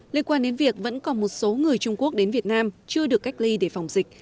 liên quan đến việc vẫn còn một số người trung quốc đến việt nam chưa được cách ly để phòng dịch